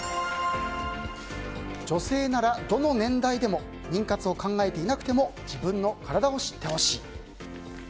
女性なら、どの年代でも妊活を考えていなくても自分の体を知ってほしい。